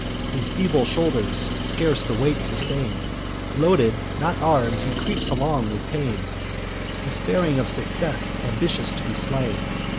His feeble shoulders scarce the weight sustain; Loaded, not arm'd, he creeps along with pain, Despairing of success, ambitious to be slain!